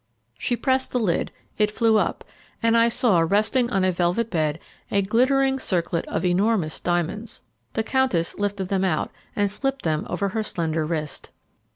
She pressed the lid, it flew up, and I saw, resting on a velvet bed, a glittering circlet of enormous diamonds. The Countess lifted them out, and slipped them over her slender wrist.